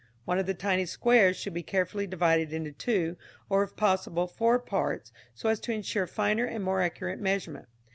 One of the tiny squares should be carefully divided into two, or, if possible, four parts, so as to ensure finer and more accurate measurement.